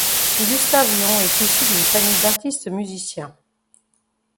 Gustave Lyon est issu d'une famille d'artistes musiciens.